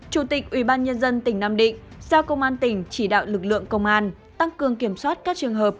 chủ tịch ubnd tỉnh nam định giao công an tỉnh chỉ đạo lực lượng công an tăng cường kiểm soát các trường hợp